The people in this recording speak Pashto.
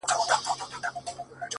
دا دی د ژوند و آخري نفس ته ودرېدم;